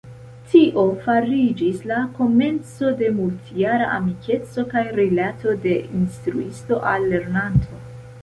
Tio fariĝis la komenco de multjara amikeco kaj rilato de instruisto al lernanto.